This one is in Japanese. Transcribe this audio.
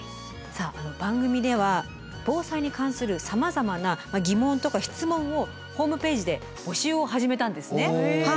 さあ番組では防災に関するさまざまな疑問とか質問をホームページで募集を始めたんですね。